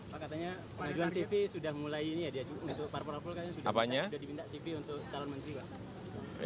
pak katanya pengajuan cp sudah mulai ini ya dia cukup untuk parpol kayaknya sudah diminta cv untuk calon menteri pak